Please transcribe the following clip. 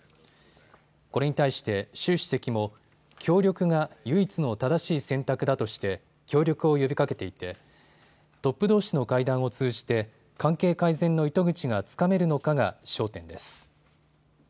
これに対して習主席も協力が唯一の正しい選択だとして協力を呼びかけていてトップどうしの会談を通じて関係改善の糸口がつかめるのかが焦点です。